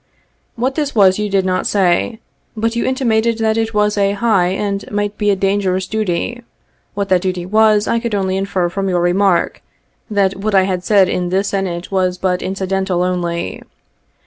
What this was you did not say, but you intimated that it was a high and might be a dangerous duty. What that duty was I could only infer from your remark, that what I had said in this Senate was but incidental only.